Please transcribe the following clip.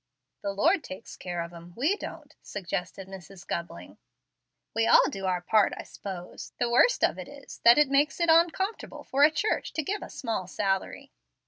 "The Lord takes care of 'em. We don't," suggested Mrs. Gubling. "We all do our part, I s'pose. The worst of it is that it makes it oncomfortable for a church to give a small salary."